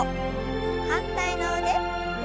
反対の腕。